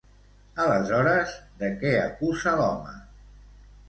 Aleshores, de què acusa l'home?